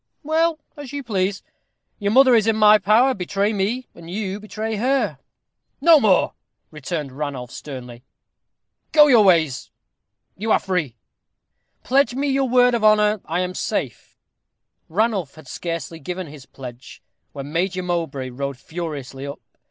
"Well, as you please. Your mother is in my power. Betray me, and you betray her." "No more!" returned Ranulph, sternly. "Go your ways. You are free." "Pledge me your word of honor I am safe." Ranulph had scarcely given his pledge, when Major Mowbray rode furiously up.